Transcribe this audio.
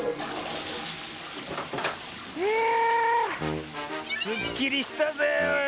いやすっきりしたぜ。